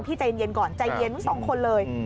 พี่ใจเย็นก่อนใจเย็นต้องคนนึง